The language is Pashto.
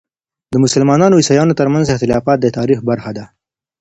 د مسلمانو او عیسویانو ترمنځ اختلافات د تاریخ برخه ده.